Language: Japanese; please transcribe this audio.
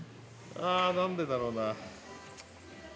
あなんでだろうな。